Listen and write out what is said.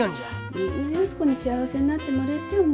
みんな安子に幸せになってもれえてえ思